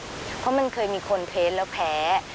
เพราะมันเคยมีคนเทสแล้วแพ้